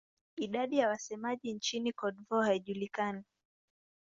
Idadi ya wasemaji nchini Cote d'Ivoire haijulikani.